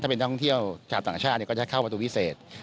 เป็นท่องเที่ยวชาวต่างชาติก็จะเข้าประตูพิเศษ